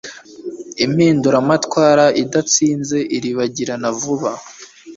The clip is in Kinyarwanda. impinduramatwara idatsinze iribagirana vuba